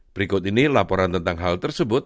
berikut ini laporan tentang hal tersebut